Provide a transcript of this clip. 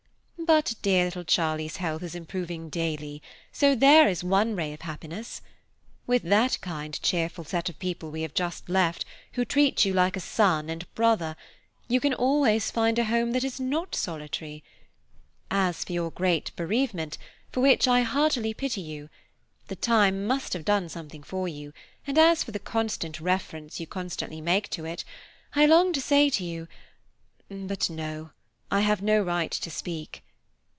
But dear little Charlie's health is improving daily, so there is one ray of happiness. With that kind cheerful set of people we have just left, who treat you like a son and brother, you can always find a home that is not solitary. As for your great bereavement, for which I heartily pity you, time must have done something for you, and as for the constant reference you constantly make to it, I long to say to you–but no, I have no right to speak.